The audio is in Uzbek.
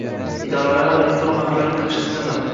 Idoralararo elektron hamkorlik qilish tizimi